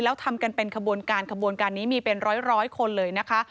แล้วทำกันเป็นขบวนการขบวนการนี้มีเป็นร้อยคนเลยนะคะ